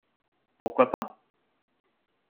Pourquoi pas ?